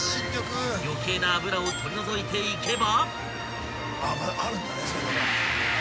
［余計な油を取り除いていけば］